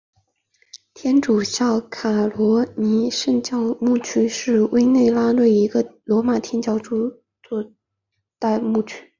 天主教卡罗尼宗座代牧区是委内瑞拉一个罗马天主教宗座代牧区。